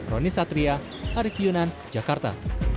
roni satria arief yunan jakarta